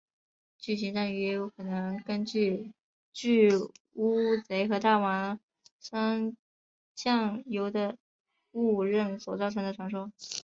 巨型章鱼也有可能是根据巨乌贼和大王酸浆鱿的误认所造成的传说。